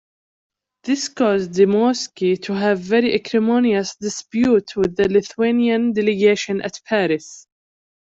This caused Dmowski to have very acrimonious disputes with the Lithuanian delegation at Paris.